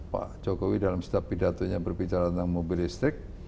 pak jokowi dalam setiap pidatonya berbicara tentang mobil listrik